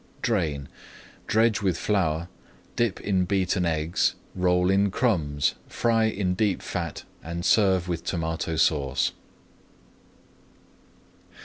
Drain, dredge with flour, dip in beaten eggs, roll in crumbs, fry in deep fat, and serve with Tomato Sauce.